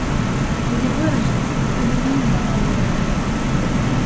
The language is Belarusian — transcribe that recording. І я вырашыў, што трэба мяняць сваё жыццё.